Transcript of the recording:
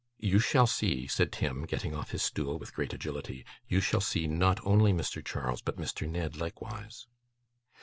'You shall see,' said Tim, getting off his stool with great agility, 'you shall see, not only Mr. Charles, but Mr. Ned likewise.